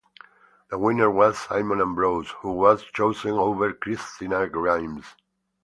The winner was Simon Ambrose who was chosen over Kristina Grimes.